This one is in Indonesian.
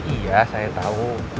iya saya tau